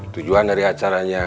tujuan dari acaranya